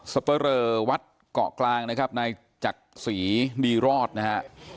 สเตอร์เวิร์ดวัดเกาะกลางนะครับนายจักษีดีรอดนะครับ